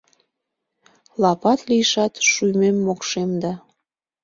Лапат лийшат шӱмем-мокшем да